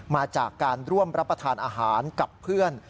มาจากการร่วมรับประทานอาหารกับเพื่อน